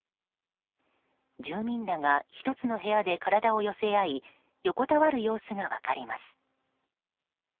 住民らが１つの部屋で体を寄せ合い横たわる様子が分かります。